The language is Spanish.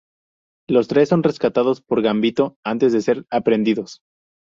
Los tres son rescatados por Gambito antes de ser aprehendidos.